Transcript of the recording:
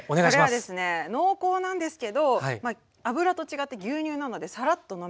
これはですね濃厚なんですけど油と違って牛乳なのでサラッと飲めちゃう。